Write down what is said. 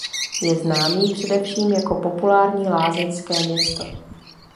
Je známý především jako populární lázeňské město.